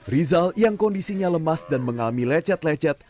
rizal yang kondisinya lemas dan mengalami lecet lecet